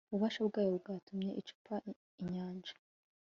ububasha bwayo bwatumye icubya inyanja